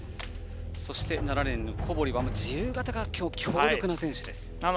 そして、７レーンの小堀は自由形が強力な選手です。